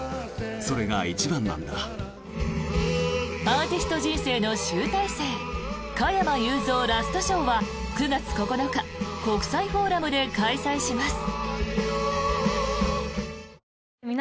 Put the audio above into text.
アーティスト人生の集大成加山雄三ラストショーは９月９日国際フォーラムで開催します。